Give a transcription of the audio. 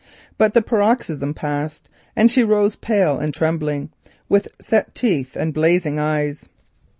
But the paroxysm passed, and she rose pale and trembling, with set teeth and blazing eyes.